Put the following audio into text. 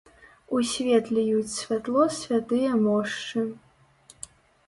У свет ліюць святло святыя мошчы.